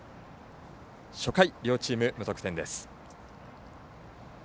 初回、両チーム無得点です。